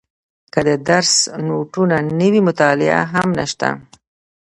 که د درس نوټونه نه وي مطالعه هم نشته.